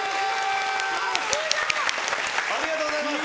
ありがとうございます！